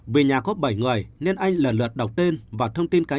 về nhà có bảy người nên anh lần lượt đọc tên và thông tin cá nhân